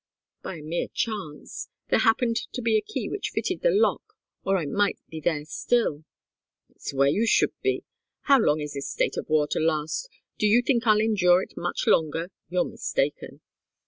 "By a mere chance. There happened to be a key which fitted the lock, or I might be there still." "It's where you should be. How long is this state of war to last? Do you think I'll endure it much longer? You're mistaken."